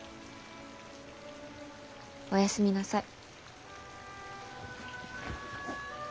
おやすみなさい。